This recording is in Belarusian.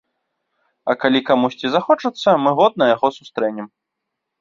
А калі камусьці захочацца, мы годна яго сустрэнем.